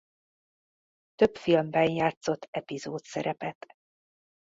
Több filmben játszott epizódszerepet.